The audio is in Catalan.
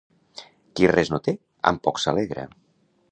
Qui res no té, amb poc s'alegra.